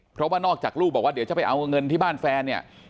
เพราะว่านอกจากลูกบอกว่าเดี๋ยวจะไปเอาเงินที่บ้านแฟนเนี่ย